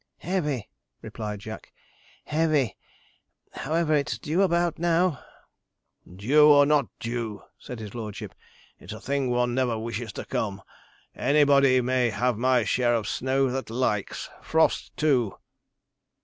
'Heavy,' replied Jack; 'heavy: however, it's due about now.' 'Due or not due,' said his lordship, 'it's a thing one never wishes to come; anybody may have my share of snow that likes frost too.'